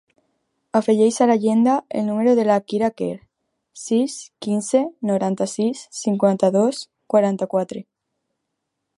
Afegeix a l'agenda el número de la Kira Quer: sis, quinze, noranta-sis, cinquanta-dos, quaranta-quatre.